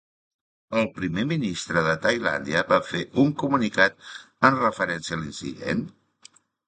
El primer ministre de Tailàndia va fer un comunicat en referència a l'incident?